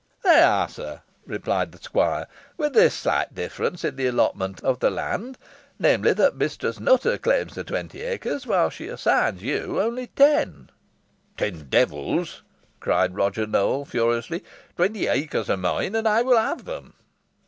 "They are, sir," replied the squire; "with this slight difference in the allotment of the land namely, that Mistress Nutter claims the twenty acres, while she assigns you only ten." "Ten devils!" cried Roger Nowell, furiously. "Twenty acres are mine, and I will have them."